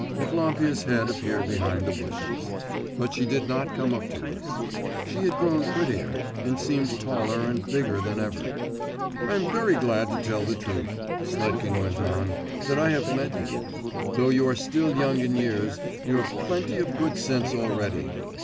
Evlampia's head appeared behind the bushes. But she did not come up to us. She had grown prettier, and seemed taller and bigger than ever. 'I'm very glad, to tell the truth,' Sletkin went on, 'that I have met you. Though you are still young in years, you have plenty of good sense already.